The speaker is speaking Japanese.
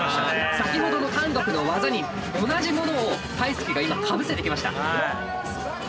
先ほどの韓国の技に同じものをＴＡＩＳＵＫＥが今かぶせてきました。